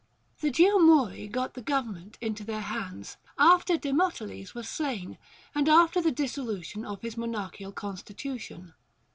The Geomori got the government into their hands, after Demoteles was slain, and after the dissolution of his monarchial constitution.